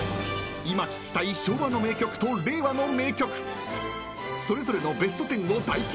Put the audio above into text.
［今聴きたい昭和の名曲と令和の名曲それぞれのベスト１０を大規模調査！